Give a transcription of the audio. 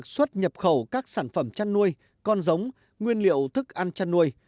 xuất nhập khẩu các sản phẩm chăn nuôi con giống nguyên liệu thức ăn chăn nuôi